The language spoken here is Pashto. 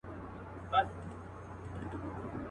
اکثر له دین او له وقاره سره لوبي کوي.